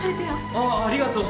あっありがとう。